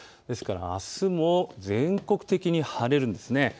ですからあすも全国的に晴れるんです。